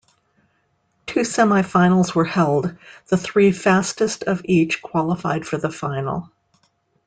Two semifinals were held, the three fastest of each qualified for the final.